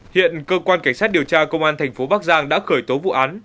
hiện cơ quan cảnh sát điều tra công an thành phố bắc giang đã khởi tố vụ án